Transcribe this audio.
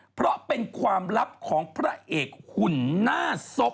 เพราะเป็นความลับของพระเอกหุ่นหน้าศพ